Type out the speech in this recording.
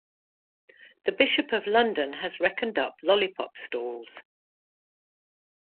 The Bishop of London has reckoned up lollipop stalls.